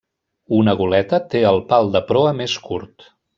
Una goleta té el pal de proa més curt.